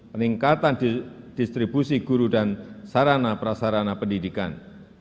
peningkatan distribusi guru dan sarana prasarana pendidikan